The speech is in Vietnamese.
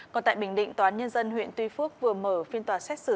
còn tại bình định tòa án nhân dân huyện tuy phước vừa mở phiên tòa xét xử